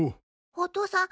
おとさん